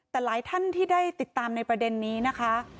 แต่หลายท่านที่ได้ติดตามในประเด็นนี้นะคะ